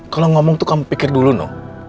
kalau ngomong tuh kamu pikir dulu no